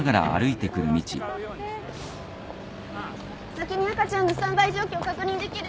先に赤ちゃんのスタンバイ状況確認できる？